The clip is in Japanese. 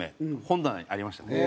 本棚にありましたね。